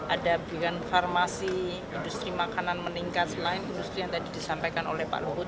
ada pilihan farmasi industri makanan meningkat selain industri yang tadi disampaikan oleh pak luhut